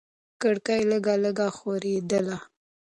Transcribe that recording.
کړکۍ لږه لږه ښورېدله.